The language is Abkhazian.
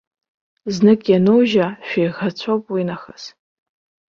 Знык ианужьа, шәеиӷацәоуп уинахыс.